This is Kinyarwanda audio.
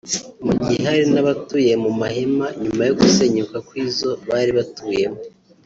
mu gihe hari n’abatuye mu mahema nyuma yo gusenyuka kw’izo bari batuyemo